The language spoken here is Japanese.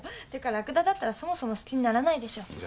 っていうかラクダだったらそもそも好きにならないでしょ。